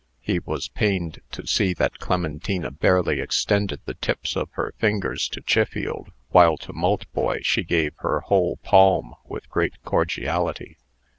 He was pained to see that Clementina barely extended the tips of her fingers to Chiffield, while to Maltboy she gave her whole palm with great cordiality.